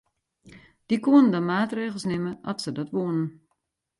Dy koenen dan maatregels nimme at se dat woenen.